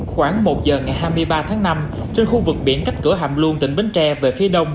khoảng một giờ ngày hai mươi ba tháng năm trên khu vực biển cách cửa hàm luôn tỉnh bến tre về phía đông